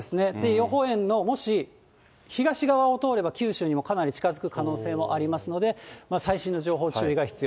予報円のもし東側を通れば、九州にもかなり近づく可能性もありますので、最新の情報、注意が必要。